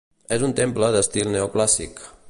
És un temple d'estil neoclàssic.